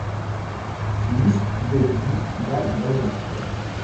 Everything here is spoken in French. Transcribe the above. Liste des du val d'Azun.